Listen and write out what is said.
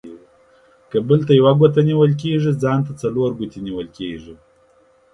که بل ته يوه گوته نيول کېږي ، ځان ته څلور گوتي نيول کېږي.